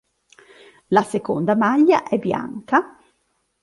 La seconda maglia è bianca.